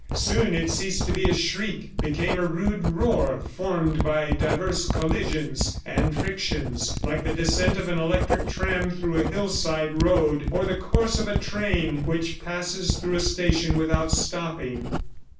Soon it ceased to be a shriek, becoming a rude roar formed by divers collisions and frictions, like the descent of an electric tram through a hillside road, or the course of a train which passes through a station without stopping.